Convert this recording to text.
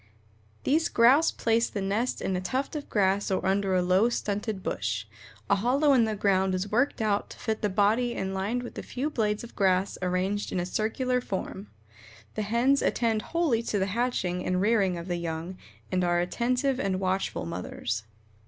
These Grouse place the nest in a tuft of grass or under a low, stunted bush. A hollow in the ground is worked out to fit the body and lined with a few blades of grass arranged in a circular form. The hens attend wholly to the hatching and rearing of the young and are attentive and watchful mothers.